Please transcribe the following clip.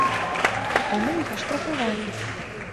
А мы іх аштрафавалі.